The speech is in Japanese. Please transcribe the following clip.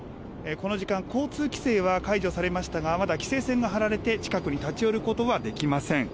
この時間、交通規制は解除されましたが、まだ規制線が張られて、近くに立ち寄ることはできません。